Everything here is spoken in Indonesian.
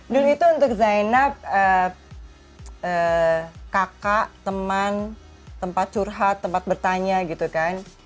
dulu itu untuk zainab kakak teman tempat curhat tempat bertanya gitu kan